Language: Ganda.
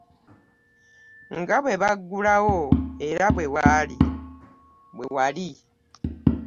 Nga bwe baagulawo era bwe wali.